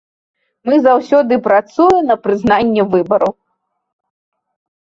Мы заўсёды працуем на прызнанне выбараў.